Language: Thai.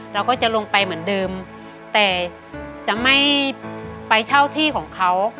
เราก็จะลงไปเหมือนเดิมแต่จะไม่ไปเช่าที่ของเขา